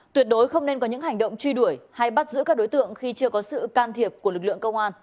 tuyệt đối không nên có những hành động truy đuổi hay bắt giữ các đối tượng khi chưa có sự can thiệp của lực lượng công an